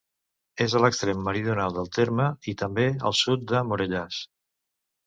És a l'extrem meridional del terme, i també al sud de Morellàs.